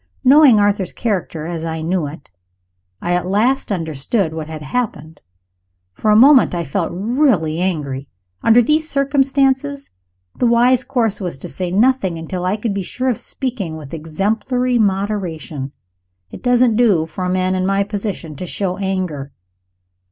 Knowing Arthur's character as I knew it, I at last understood what had happened. For a moment I felt really angry. Under these circumstances, the wise course was to say nothing, until I could be sure of speaking with exemplary moderation. It doesn't do for a man in my position to show anger.